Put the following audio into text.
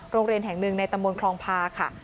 โรงเรียนแห่งหนึ่งในตำบลคลองพาค่ะ